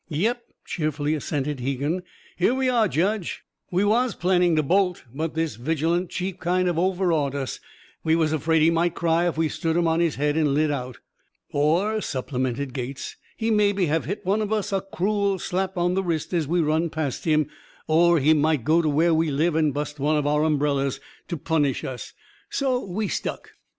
"Yep," cheerily assented Hegan. "Here we are, Judge. We was planning to bolt. But this vigilant chief kind of overawed us. We was afraid he might cry if we stood him on his head and lit out." "Or," supplemented Gates, "he'd maybe have hit one of us a crool slap on the wrist as we run past him. Or he might go to where we live and bust one of our umbrellas, to punish us. So we stuck."